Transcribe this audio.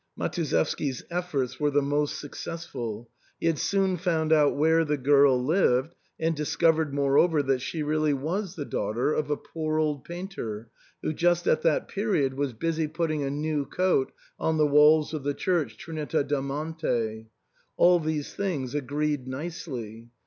Matuszewski*s efforts were the most successful He had soon found out where the girl lived, and discovered moreover that she really was the daughter of a poor old painter, who just at that period was busy putting a new coat on the walls of the church Trinita del Monte. All these things agreed nicely.